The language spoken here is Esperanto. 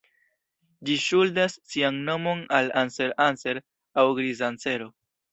Ĝi ŝuldas sian nomon al "Anser Anser" aŭ griza ansero.